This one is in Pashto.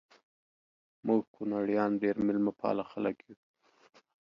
مونږ کونړیان ډیر میلمه پاله خلک یو